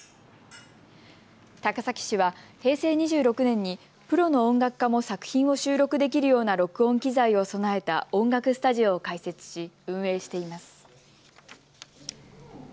高崎市は平成２６年にプロの音楽家も作品を収録できるような録音機材を備えた音楽スタジオを開設し運営しています。